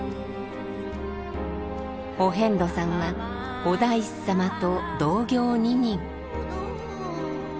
お遍路さんはお大師様と同行二人。